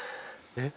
「えっ？」